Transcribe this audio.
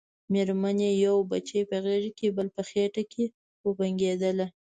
مېرمن يې يو بچی په غېږ کې بل په خېټه وبنګېدله.